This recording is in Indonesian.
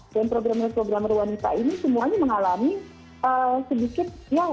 dan programmer programmer wanita ini semuanya mengalami sedikit ya